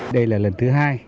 đây là lần thứ hai